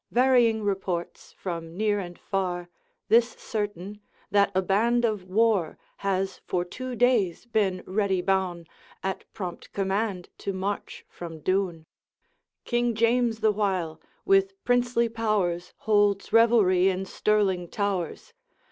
'Varying reports from near and far; This certain, that a band of war Has for two days been ready boune, At prompt command to march from Doune; King James the while, with princely powers, Holds revelry in Stirling towers.